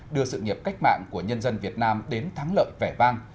đưa sự nghiệp cách mạng của nhân dân việt nam đến thắng lợi vẻ vang